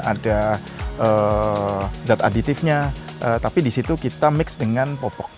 ada zat aditifnya tapi di situ kita mix dengan popok